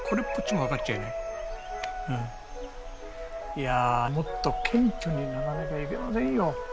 いやもっと謙虚にならなきゃいけませんよ。